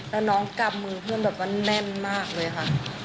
แล้วน้องกำมือเพื่อนแบบว่าแน่นมากเลยค่ะ